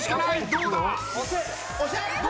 どうだ？